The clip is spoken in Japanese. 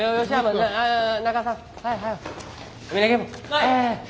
はい。